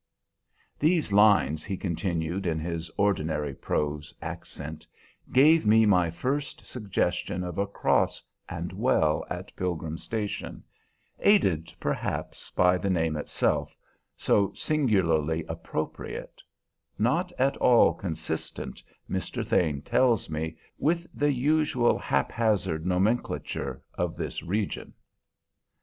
"These lines," he continued in his ordinary prose accent, "gave me my first suggestion of a cross and well at Pilgrim Station, aided, perhaps, by the name itself, so singularly appropriate; not at all consistent, Mr. Thane tells me, with the usual haphazard nomenclature of this region.